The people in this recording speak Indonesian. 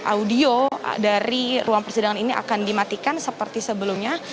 audio dari ruang persidangan ini akan dimatikan seperti sebelumnya